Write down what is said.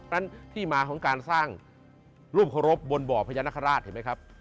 เพราะฉะนั้นที่มาของการสร้างรูปรบบนบ่อพญานคราชเห็นไหมครับ